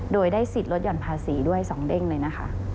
โดยได้สิทธิ์ลดหย่อนภาษีด้วย๒เด้งเลยนะคะ